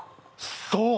そう！